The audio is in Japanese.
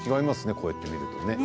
こうやって見ると。